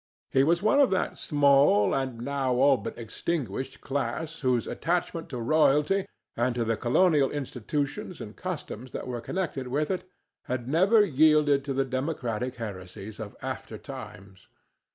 He was one of that small, and now all but extinguished, class whose attachment to royalty, and to the colonial institutions and customs that were connected with it, had never yielded to the democratic heresies of after times.